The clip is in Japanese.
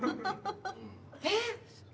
えっ⁉